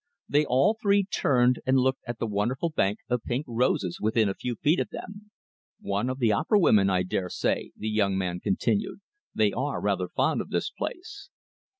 They all three turned around and looked at the wonderful bank of pink roses within a few feet of them. "One of the opera women, I daresay," the young man continued. "They are rather fond of this place."